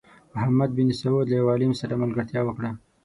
محمد بن سعود له یو عالم سره ملګرتیا وکړه.